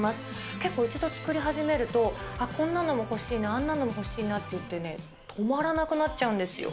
結構、一度作り始めるとあっ、こんなのも欲しいな、あんなのも欲しいなっていってね、止まらなくなっちゃうんですよ。